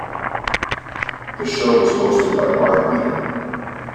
The show was hosted by Marc Weiner.